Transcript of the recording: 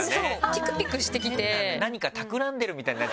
ピクピクしてきて。